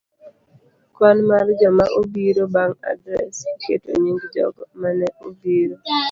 Kwan mar Joma obiro. Bang' adres, iketo nying jogo ma ne obiro